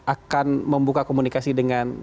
akan membuka komunikasi dengan